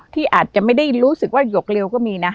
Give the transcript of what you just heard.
ที่อาจจะไม่ได้รู้สึกว่าหยกเร็วก็มีนะ